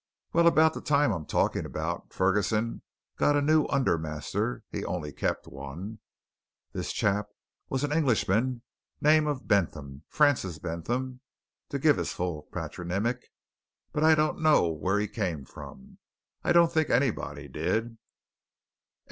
Well, about the time I'm talking about, Ferguson got a new undermaster; he only kept one. This chap was an Englishman name of Bentham Francis Bentham, to give him his full patronymic, but I don't know where he came from I don't think anybody did."